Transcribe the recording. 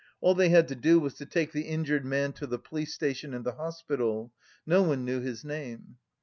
All they had to do was to take the injured man to the police station and the hospital. No one knew his name.